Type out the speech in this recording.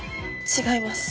違います。